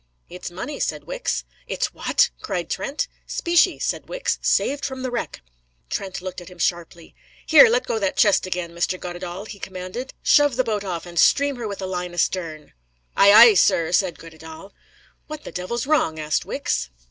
"It's money," said Wicks. "It's what?" cried Trent. "Specie," said Wicks; "saved from the wreck." Trent looked at him sharply. "Here, let go that chest again, Mr. Goddedaal," he commanded, "shove the boat off, and stream her with a line astern." "Ay, ay, sir!" from Goddedaal. "What the devil's wrong?" asked Wicks.